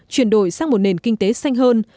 truyền đổi sang một nền kinh tế xanh hơn